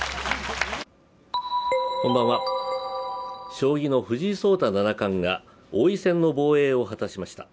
将棋の藤井聡太七冠が王位戦の防衛を果たしました。